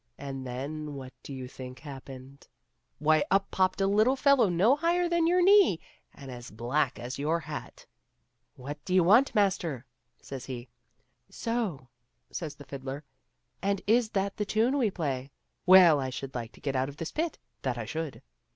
And then what do you think happened ? Why, up popped a little fellow no higher than your knee and as black as your hat ! "What do you want, master?" said he. " So," said the fiddler, " and is that the tune we play ? Well, I should like to get out of this pit, that I should."